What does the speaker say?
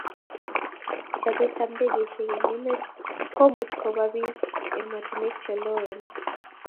chobet ab ndegeishek eng' emet ko much kobabiik emetaniwek che loen